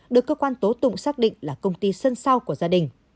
được cơ quan tố tụng xác định là công ty sân sau của gia đình